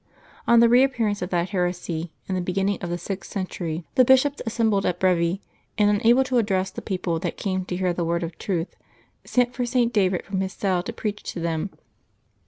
On the reappearance of that heresy, in the beginning of the sixth century, the bishops 93 LIVES OF THE SAINTS [Maboh 1 assembled at Brevi, and, unable to address the people that came to hear the word of truth, sent for St. David from his cell to preach to them.